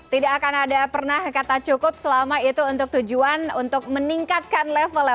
tidak akan ada pernah kata cukup selama itu untuk tujuan untuk meningkatkan level ya